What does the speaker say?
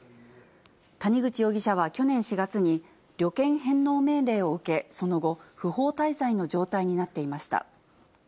谷口容疑者は去年４月に、旅券返納命令を受け、その後、不法滞在の状態になっていました。